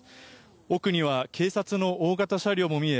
奥には警察の大型車両も見え